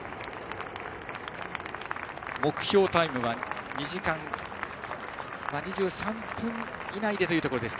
目標タイムは２時間２３分以内でというところでした。